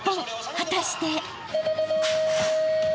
果たして？］